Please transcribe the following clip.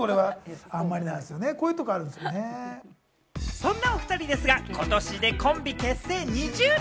そんなお２人ですが、今年でコンビ結成２０年。